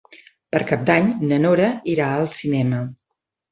Per Cap d'Any na Nora irà al cinema.